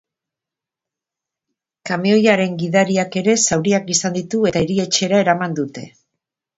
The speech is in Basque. Kamioiaren gidariak ere zauriak izan ditu eta erietxera eraman dute.